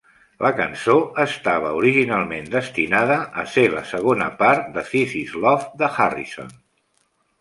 La cançó estava originalment destinada a ser la segona part de "This is Love", de Harrison.